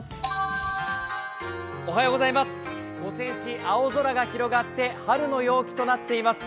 五泉市、青空が広がって春の陽気となっています。